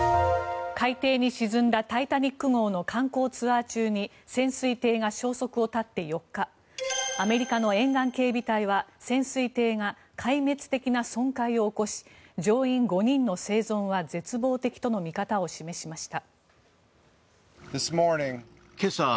海底に沈んだ「タイタニック号」の観光ツアー中に潜水艇が消息を絶って４日アメリカの沿岸警備隊は潜水艇が壊滅的な損壊を起こし乗員５人の生存は絶望的との見方を示しました。